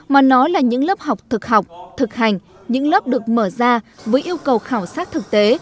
mà nó là những lớp học thực học thực hành những lớp được mở ra với yêu cầu khảo sát thực tế